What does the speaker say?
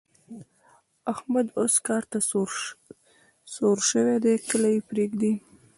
احمد اوس کار ته سور شوی دی؛ کله يې پرېږدي.